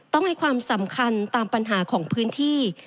ต้องให้ความสำคัญตามปัญหาของพื้นที่